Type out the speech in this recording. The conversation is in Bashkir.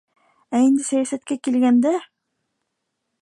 Ә инде сәйәсәткә килгәндә...